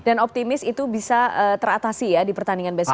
dan optimis itu bisa teratasi ya di pertandingan besok